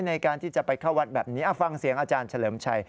ในการที่จะไปเข้าวัดแบบนี้ฟังเสียงอาจารย์เฉลิมชัย